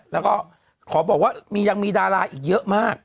แล้วก็ขอบอกว่ายังมีดาราอีกเยอะมาก